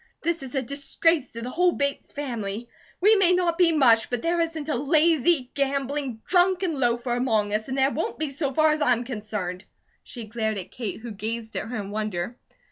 This is a disgrace to the whole Bates family. We may not be much, but there isn't a lazy, gambling, drunken loafer among us, and there won't be so far as I'm concerned." She glared at Kate who gazed at her in wonder.